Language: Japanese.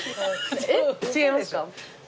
えっ違いますか？